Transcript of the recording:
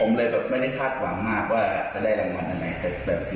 ผมเลยแบบไม่ได้คาดหวังมากว่าจะได้รางวัลอันไหน